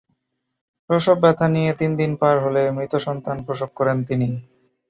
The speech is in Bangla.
প্রসবব্যথা নিয়ে তিন দিন পার হলে মৃত সন্তান প্রসব করেন তিনি।